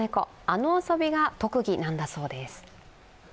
あの遊びが特技なんだそうです。